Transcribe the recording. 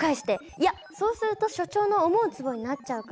いやそうすると所長の思うつぼになっちゃうから。